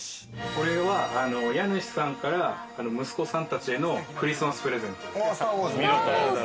これは家主さんから息子さんたちへのクリスマスプレゼント。